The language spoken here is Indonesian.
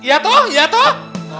iya toh iya toh